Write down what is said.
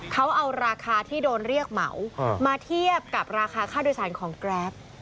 เขาเอาราคาที่โดนเรียกเหมามาเทียบกับราคาค่าโดยสารของแกรป